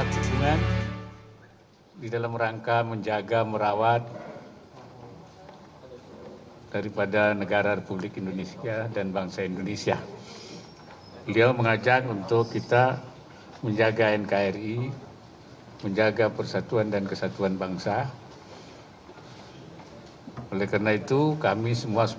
cnn indonesia breaking news